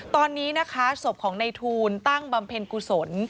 ตอนนี้นะคะศพของในทูลตั้งบำเพ็ญกุศล